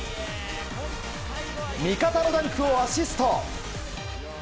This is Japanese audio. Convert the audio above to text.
味方のダンクをアシスト。